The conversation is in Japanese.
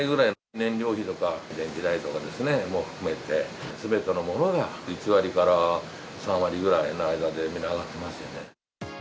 燃料費とか電気代とかですね、を含めて、すべてのものが１割から３割ぐらいの間で、みんな上がってますよね。